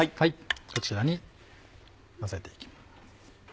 こちらにのせていきます。